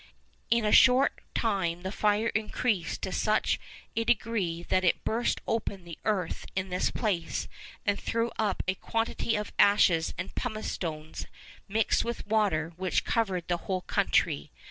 In a short time the fire increased to such a degree that it burst open the earth in this place, and threw up a quantity of ashes and pumice stones, mixed with water, which covered the whole country.